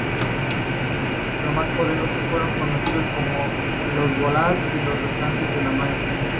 Los más poderosos fueron conocidos como los valar, y los restantes como los maiar.